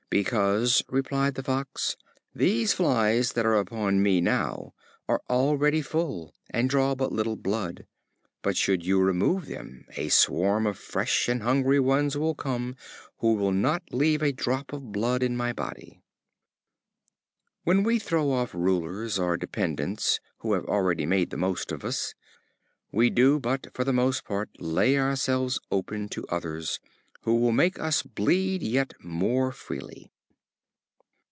"Because," replied the Fox, "these flies that are upon me now are already full, and draw but little blood, but should you remove them, a swarm of fresh and hungry ones will come, who will not leave a drop of blood in my body." When we throw off rulers or dependents, who have already made the most of us, we do but, for the most part, lay ourselves open to others, who will make us bleed yet more freely.